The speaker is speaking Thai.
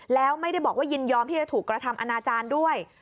แล้วไม่ได้บอกว่ายินยอมที่จะถูกกระทำอนาจารย์ด้วย